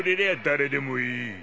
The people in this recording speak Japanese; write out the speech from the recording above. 誰でもいい。